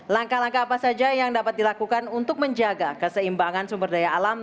langkah langkah apa saja yang dapat dilakukan untuk menjaga keseimbangan sumber daya alam